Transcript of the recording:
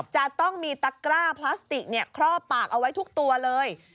จะต้องมีตะกร้าพลาสติกครอบปากเอาไว้ทุกตัวเลย